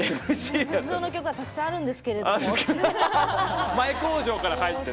鉄道の曲はたくさんあるんですけどって。